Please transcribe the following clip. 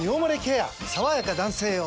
さわやか男性用」